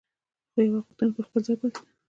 خو یوه غوښتنه پر خپل ځای پاتې ده.